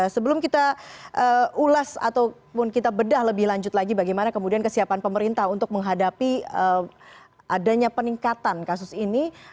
sebelum kita ulas ataupun kita bedah lebih lanjut lagi bagaimana kemudian kesiapan pemerintah untuk menghadapi adanya peningkatan kasus ini